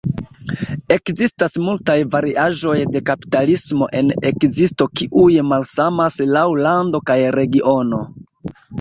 Ekzistas multaj variaĵoj de kapitalismo en ekzisto kiuj malsamas laŭ lando kaj regiono.